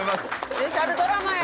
スペシャルドラマや！